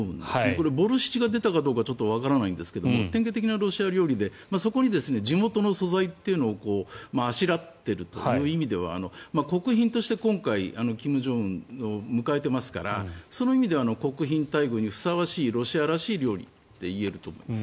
これ、ボルシチが出たかどうかわからないんですが典型的なロシア料理でそこに地元の素材というのをあしらっているという意味では国賓として今回金正恩を迎えていますからその意味では国賓待遇にふさわしいロシアらしい料理といえると思います。